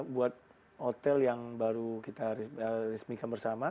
buat hotel yang baru kita resmikan bersama